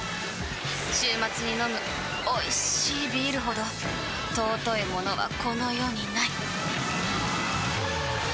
週末に飲むおいしいビールほど尊いものはこの世にない！